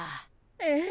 ええ？